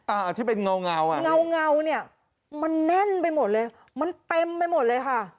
ที่เป็นเงาเงาอ่ะเงาเงาเนี่ยมันแน่นไปหมดเลยมันเต็มไปหมดเลยค่ะ